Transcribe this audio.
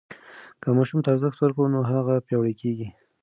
که ماشوم ته ارزښت ورکړو نو هغه پیاوړی کېږي.